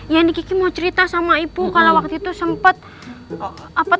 ya ini kiki mau cerita sama ibu kalau waktu itu sempat apa